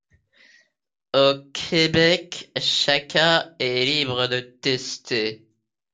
Au Québec, chacun est libre de tester.